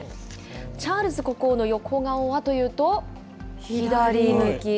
チャールズ国王の横顔はというと、左向き。